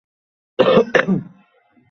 আমাকে দর্শন দাও!